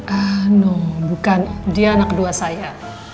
ah no bukan dia anak kedua saya